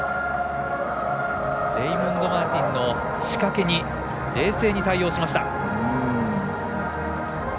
レイモンド・マーティンの仕掛けに冷静に対応しました。